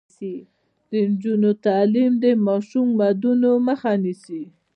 د نجونو تعلیم د ماشوم ودونو مخه نیسي.